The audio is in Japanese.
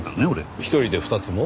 １人で２つも？